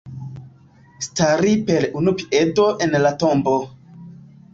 Stari per unu piedo en la tombo.